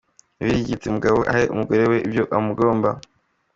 Bibiliya igira iti “umugabo ahe umugore we ibyo amugomba.